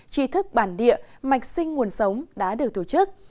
trí thức bản địa mạch sinh nguồn sống đã được tổ chức